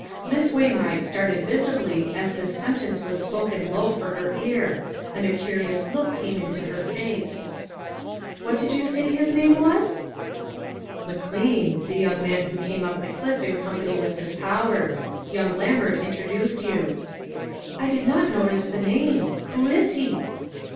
Miss Wainwright started visibly as this sentence was spoken low for her ear, and a curious look came into her face. " What did you say his name was ?" Il8 ONE COMMONPLACE DAY. "McLean, the young man who came up the cliff in company with Miss Powers. Young Lambert introduced you." " I did not notice the name. Who is he?"